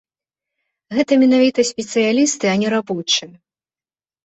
Гэта менавіта спецыялісты, а не рабочыя.